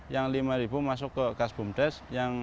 yang rp lima masuk ke kas bumdes